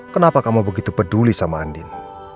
kenapa kamu begitu peduli sama andin